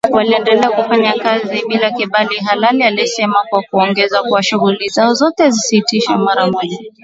Waliendelea kufanya kazi bila kibali halali alisema na kuongeza kuwa shughuli zao zote zisitishwe mara moja